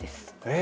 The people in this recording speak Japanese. え